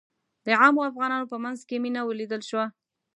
د عامو افغانانو په منځ کې مينه ولیدل شوه.